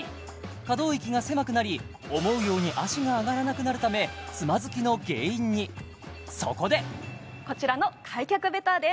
可動域が狭くなり思うように脚が上がらなくなるためつまずきの原因にそこでこちらの開脚ベターです